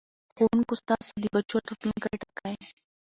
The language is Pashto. ښوونکو ستاسو د بچو راتلوونکی ټاکي.